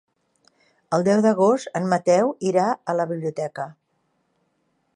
El deu d'agost en Mateu irà a la biblioteca.